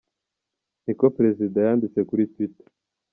" ni ko prezida yanditse kuri Twitter.